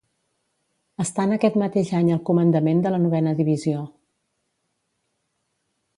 Estant aquest mateix any al comandament de la Novena Divisió.